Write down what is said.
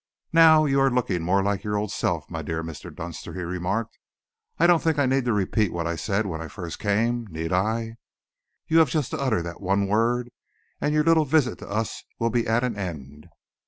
"Now you are looking more like your old self, my dear Mr. Dunster," he remarked. "I don't think that I need repeat what I said when I first came, need I? You have just to utter that one word, and your little visit to us will be at an end."